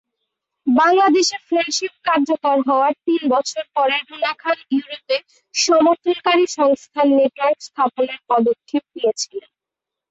বাংলাদেশে ফ্রেন্ডশিপ কার্যকর হওয়ার তিন বছর পরে, রুনা খান ইউরোপে সমর্থনকারী সংস্থার নেটওয়ার্ক স্থাপনের পদক্ষেপ নিয়েছিলেন।